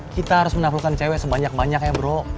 kita harus menaflukan cewek sebanyak banyak ya bro